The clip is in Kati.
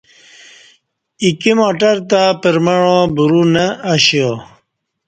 ایکی مٹر تہ پرمعاں برو نہ اشیا